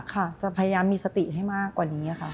ค่ะจะพยายามมีสติให้มากกว่านี้ค่ะ